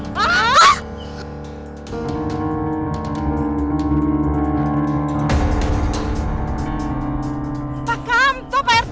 pak kanto pak rt